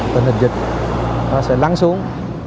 tình hình dịch sẽ lắng xuống